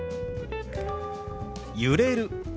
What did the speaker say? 「揺れる」。